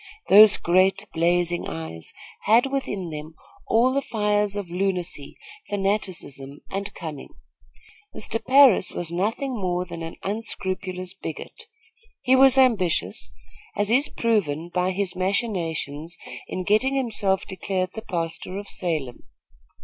Those great, blazing eyes had within them all the fires of lunacy, fanaticism and cunning. Mr. Parris was nothing more than an unscrupulous bigot. He was ambitious, as is proven by his machinations in getting himself declared the pastor of Salem.